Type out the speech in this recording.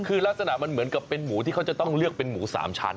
คือลักษณะมันเหมือนกับเป็นหมูที่เขาจะต้องเลือกเป็นหมู๓ชั้น